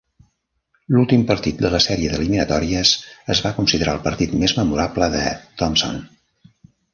L'últim partit de la sèrie d'eliminatòries es va considerar el partit més memorable de Thompson.